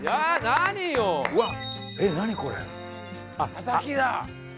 たたきだ！